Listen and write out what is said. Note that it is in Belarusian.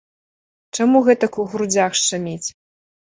Чаму гэтак у грудзях шчаміць?